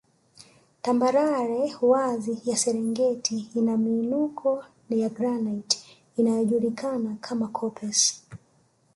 Tambarare wazi ya Serengeti ina miinuko ya granite inayojulikana kama koppes